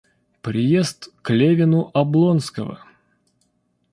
Приезд к Левину Облонского.